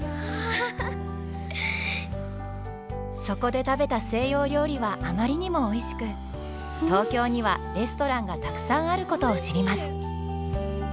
そこで食べた西洋料理はあまりにもおいしく東京にはレストランがたくさんあることを知ります。